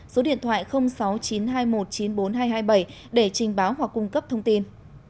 số điện thoại sáu nghìn chín trăm hai mươi một chín mươi bốn nghìn hai trăm hai mươi bảy để trình báo hoặc cung cấp thông tin